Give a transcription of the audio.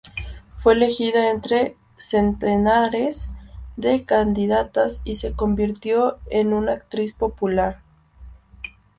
Fue elegida entre centenares de candidatas y se convirtió en una actriz popular.